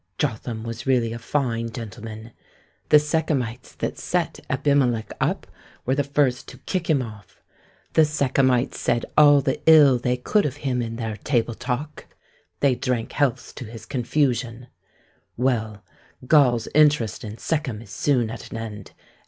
Jotham was really a fine gentleman. The Sechemites that set Abimelech up, were the first to kick him off. The Sechemites said all the ill they could of him in their table talk; they drank healths to his confusion. Well, Gaal's interest in Sechem is soon at an end.